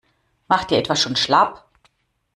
Macht ihr etwa schon schlapp?